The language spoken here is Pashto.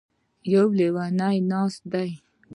يـو ليونی نـاست دی.